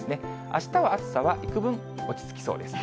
あしたは暑さは幾分落ち着きそうです。